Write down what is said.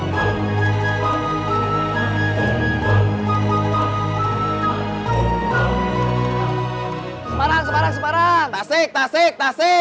tasik tasik tasik